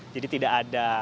jadi tidak ada yang bisa masuk